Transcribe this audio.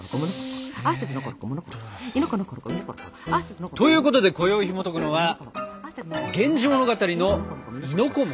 えっと。ということでこよいひもとくのは「源氏物語」の亥の子！